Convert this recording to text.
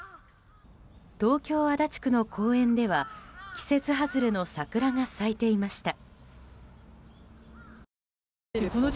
東京・足立区の公園では季節外れの桜が咲いていました。